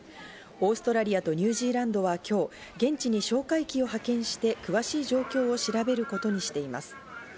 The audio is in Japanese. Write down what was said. オーストラリアとニュージーランドは今日、現地に哨戒機を派遣して、詳しい状況を調べることにしています。